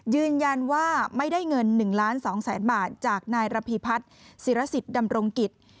ยืนยันว่าไม่ได้เงิน๑ล้าน๒แสนบาทจากนายระพีพัฒน์ศิรสิทธิ์ดำรงกิจ